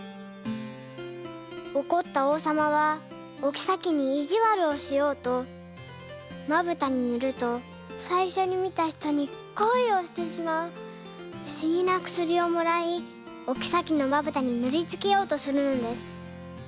おこったおうさまはおきさきにいじわるをしようと「まぶたにぬるとさいしょに見たひとに恋をしてしまうふしぎなくすり」をもらいおきさきのまぶたにぬりつけようとするのです。